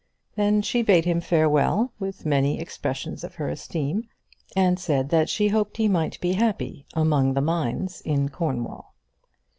Then she bade him farewell, with many expressions of her esteem, and said that she hoped he might be happy among the mines in Cornwall.